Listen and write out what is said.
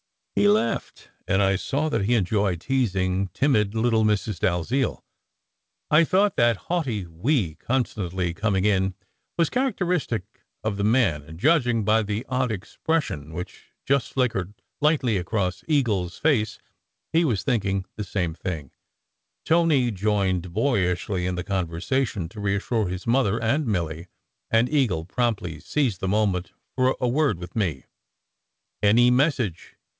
He laughed, and I saw that he enjoyed teasing timid little Mrs. Dalziel. I thought that haughty "we," con stantly coming in, was characteristic of the man, and judg ing by the odd expression which just flickered lightly across Eagle s face, he was thinking the same thing. Tony SECRET HISTORY 95 joined boyishly in the conversation, to reassure his mother and Milly, and Eagle promptly seized the moment for a word with me. "Any message?"